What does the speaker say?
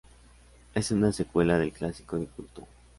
Es una secuela del clásico de culto.